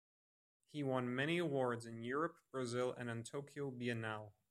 He won many awards, in Europe, Brazil and on Tokyo Biennale.